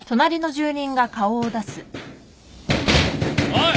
おい！